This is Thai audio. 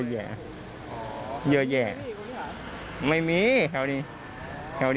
ฟังเสียงคนที่ไปรับของกันหน่อย